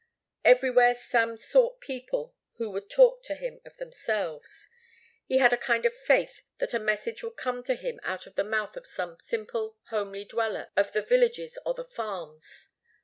Everywhere Sam sought people who would talk to him of themselves. He had a kind of faith that a message would come to him out of the mouth of some simple, homely dweller of the villages or the farms.